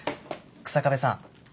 日下部さん